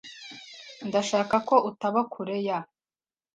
Ndashaka ko utaba kure ya .